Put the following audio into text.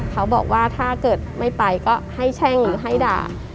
เขาบอกว่าถ้าเกิดไม่ไปก็ให้แช่งหรือให้ด่า